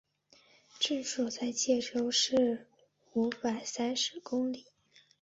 治所在戎州西五百三十五里。